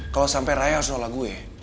kalau sampe raya harus nolak gue